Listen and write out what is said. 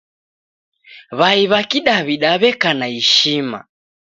W'ai w'a kidaw'ida w'eka na ishima.